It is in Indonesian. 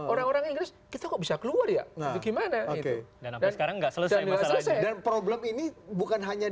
orang orang inggris kita kok bisa keluar ya